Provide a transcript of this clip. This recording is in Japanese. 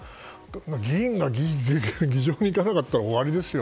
議員が議場に行かなかったら終わりですよ。